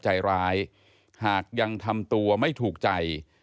หากยังทำตัวไม่ถูกใจ